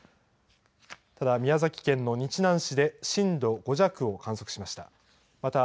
ただ、宮崎県の日南市で震度５弱を観測しました。